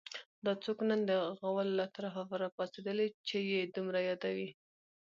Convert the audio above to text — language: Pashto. دا څوک نن د غولو له طرفه راپاڅېدلي چې یې دومره یادوي